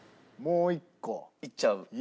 いっちゃう？